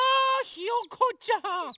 ひよこちゃん！